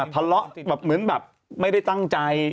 ทะเลาะแบบเหมือนแบบไม่ได้ตั้งใจ